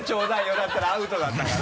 だったらアウトだったから。